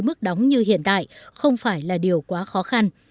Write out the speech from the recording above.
mức đóng như hiện tại không phải là điều quá khó khăn